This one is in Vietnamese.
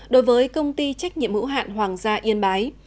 đối với công ty trách nhiệm hữu hạn hoàng gia yên bái